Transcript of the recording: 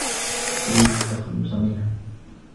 أريد التخلّص منها.